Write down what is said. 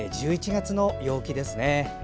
１１月の陽気ですね。